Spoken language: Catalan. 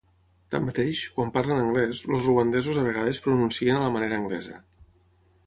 Tanmateix, quan parlen anglès, els ruandesos a vegades pronuncien a la manera anglesa.